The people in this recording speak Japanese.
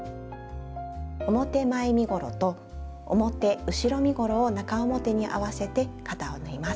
表前身ごろと表後ろ身ごろを中表に合わせて肩を縫います。